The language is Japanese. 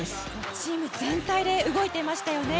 チーム全体で動いていましたよね。